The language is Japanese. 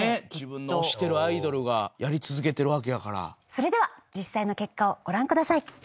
それでは実際の結果をご覧ください。